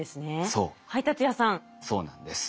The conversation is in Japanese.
そうなんです。